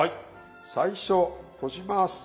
最初閉じます。